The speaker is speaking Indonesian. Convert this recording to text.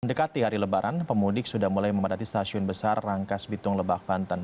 mendekati hari lebaran pemudik sudah mulai memadati stasiun besar rangkas bitung lebak banten